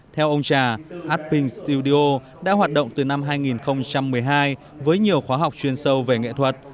theo ông trà artping studio đã hoạt động từ năm hai nghìn một mươi hai với nhiều khóa học chuyên sâu về nghệ thuật